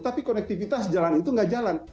tapi konektivitas jalan itu nggak jalan